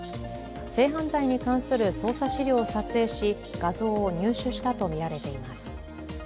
性犯罪に関する捜査資料を撮影し、画像を入手したとみられています。